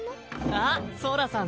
あっソラさん